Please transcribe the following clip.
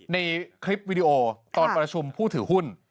ในคลิปวิดีโอตอนประชุมผู้ถือหุ้น